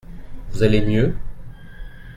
Vous allez mieux ?